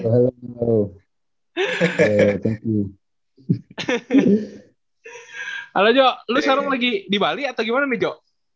halo lo sekarang lagi di bali atau gimana nih jo